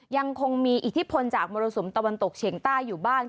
ยังคงมีอิทธิพลจากมรสุมตะวันตกเฉียงใต้อยู่บ้าง